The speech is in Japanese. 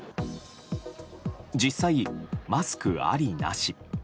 実際、マスクありなし。